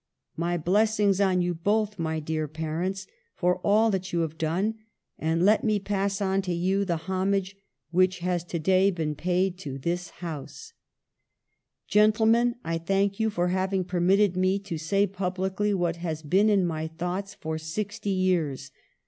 ^'My blessings on you both, my dear parents, for all that you have been, and let me pass on to you the homage that has today been paid to this house. THE SOVEREIGNTY OF GENIUS 159 "Gentlemen, I thank you for having permit ted me to say publicly what has been in my thoughts for sixty years.